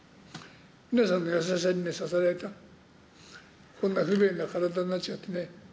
皆さんの優しさに支えられたこんな不便な体になっちゃってね。